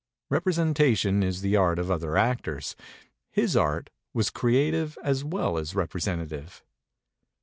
Representation is the art of other actors; his art was creative as well as representative."